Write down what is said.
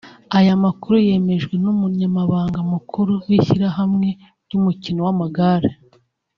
Aya makuru yemejwe n’Umunyamabanga mukuru w’ishyirahamwe ry’umukino w’amagare